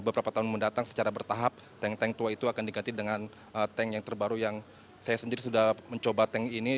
beberapa tahun mendatang secara bertahap tank tank tua itu akan diganti dengan tank yang terbaru yang saya sendiri sudah mencoba tank ini